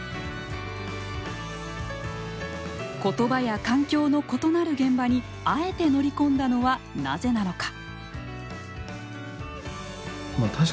ことばや環境の異なる現場にあえて乗り込んだのはなぜなのか。